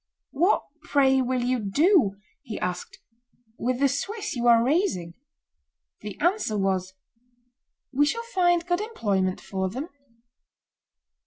"What, pray, will you do," he asked, "with the Swiss you are raising?" The answer was, "We shall find good employment for them."